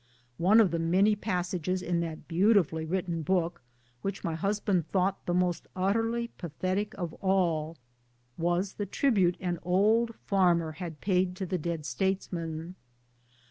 One of the many passages in that beautifully written book, which my husband thought the most utterly pa thetic of all, was the tribute an old farmer had paid to the dead statesman.